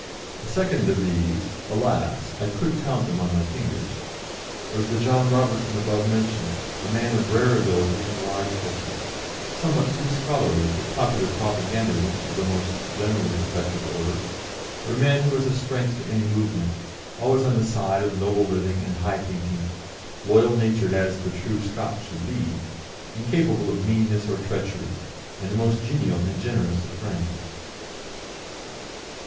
A second of these alas! I could count them on my fingers was the John Robertson above mentioned, a man of rare ability and wide culture, somewhat too scholarly for popular propagandism of the most generally effective order, but a man who is a strength to any movement, always on the side of noble living and high thinking, loyal natured as the true Scot should be, incapable of meanness or treachery, and the most genial and generous of friends.